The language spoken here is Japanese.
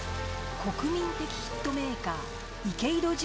国民的ヒットメーカー池井戸潤